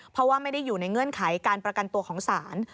เพราะว่าไม่ได้อยู่ในเงื่อนไขการประกันตัวของศาล